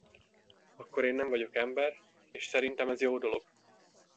Akkor én nem vagyok ember, és szerintem ez jó dolog.